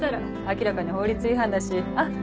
明らかに法律違反だしあっ！